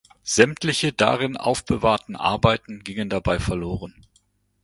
Sämtliche darin aufbewahrten Arbeiten gingen dabei verloren.